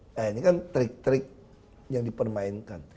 nah ini kan trik trik yang dipermainkan